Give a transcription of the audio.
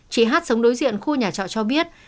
chị hát sống đối diện khu nhà trọ cho biết